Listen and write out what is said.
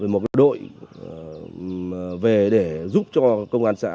một đội về để giúp cho công an xã